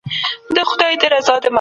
هر متخصص په خپله ځانګړې ساحه کې کار کوي.